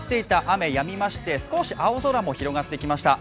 雨やみまして少し青空も広がってきました。